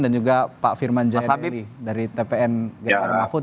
dan juga pak firman jaya dedi dari tpn gerekar mahfud